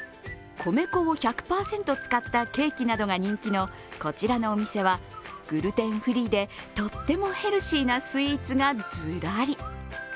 米粉を１００％使ったケーキなどが人気のこちらのお店はグルテンフリーで、とってもヘルシーなスイーツがずらり。